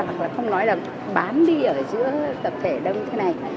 hoặc là không nói là bám đi ở giữa tập thể đâu như thế này